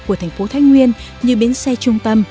của thành phố thái nguyên như bến xe trung tâm